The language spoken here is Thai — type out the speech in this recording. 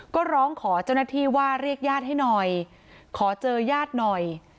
ก็ร้องขอเจ้าหน้าที่ว่าเรียกญาติให้หน่อยขอเจอญาติหน่อย